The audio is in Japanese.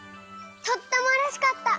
とってもうれしかった。